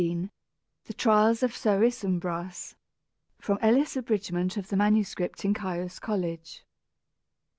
_] THE TRIALS OF SIR ISUMBRAS. (_From Ellis' Abridgment of the MS. in Caius College.